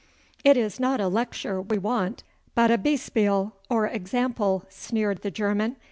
'It is not a lecture we want, but a beispiel or example,' sneered the German.